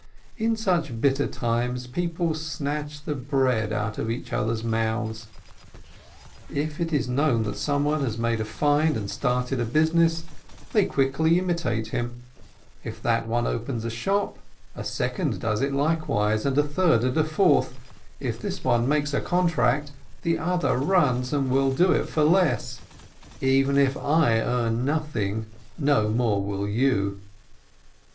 In such bitter times people snatch the bread out of each other's mouths ; if it is known that someone has made a find, and started a business, they quickly imitate him; if that one opens a shop, a second does likewise, and a third, and a fourth; if this one makes a contract, the other runs and will do it for less — "Even if I earn nothing, no more will you!"